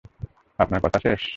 আপনার কথা শেষ?